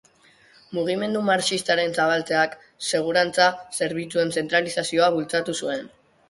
Mugimendu marxistaren zabaltzeak, segurantza zerbitzuen zentralizazioa bultzatu zuen.